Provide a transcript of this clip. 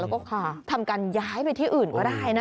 แล้วก็ทำการย้ายไปที่อื่นก็ได้นะ